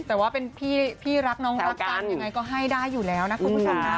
แต่ว่าเป็นพี่รักน้องรักกันยังไงก็ให้ได้อยู่แล้วนะคุณผู้ชมนะ